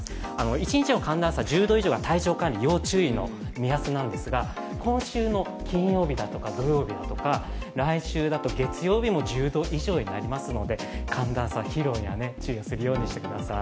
１日の寒暖差１０度以上が体調管理要注意の目安なんですが今週の金曜日だとか土曜日だとか、来週だと月曜日も１０度以上になりますので、寒暖差疲労、注意するようにしてください。